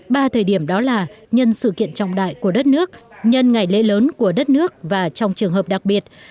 ba thời điểm đó là nhân sự kiện trọng đại của đất nước nhân ngày lễ lớn của đất nước và trong trường hợp đặc biệt